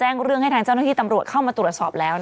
ต้องเป็นพี่ราวอีกแล้ว